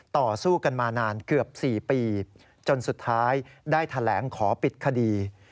ต่อสู้กันมานานเกือบ๔ปีจนสุดท้ายได้แถลงขอปิดคดี